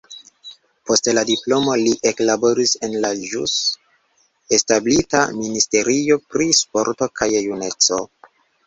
Post la diplomo li eklaboris en la ĵus establita ministerio pri sporto kaj juneco.